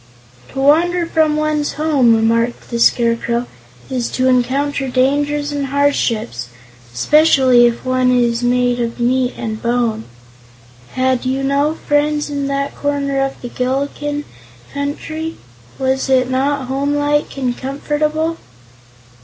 "To wander from one's home," remarked the Scarecrow, "is to encounter dangers and hardships, especially if one is made of meat and bone. Had you no friends in that corner of the Gillikin Country? Was it not homelike and comfortable?"